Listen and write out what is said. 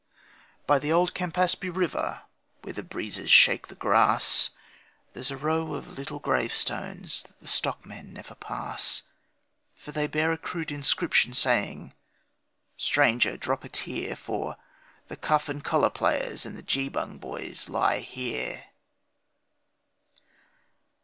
..... By the old Campaspe River, where the breezes shake the grass, There's a row of little gravestones that the stockmen never pass, For they bear a crude inscription saying, 'Stranger, drop a tear, For the Cuff and Collar players and the Geebung boys lie here.'